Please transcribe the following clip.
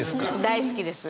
大好きです。